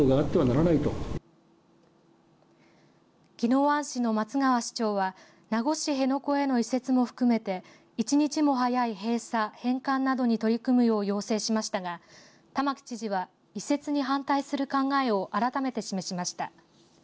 宜野湾市の松川市長は名護市辺野古への移設も含めて一日も早い閉鎖、返還などに取り組むよう要請しましたが、玉城知事は移設に反対する考えをあらためて示しました。